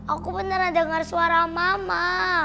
aku beneran dengar suara mama